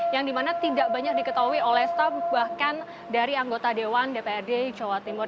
yang dimana tidak banyak diketahui oleh staff bahkan dari anggota dewan dprd jawa timur